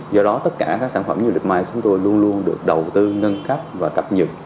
do đó tất cả sản phẩm du lịch mice của chúng tôi luôn được đầu tư nâng cấp và cập nhật